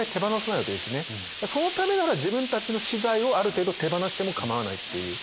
そのためなら自分たちの私財をある程度手放してもかまわないっていう。